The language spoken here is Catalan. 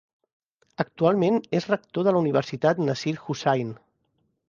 Actualment és rector de la Universitat Nazeer Hussain.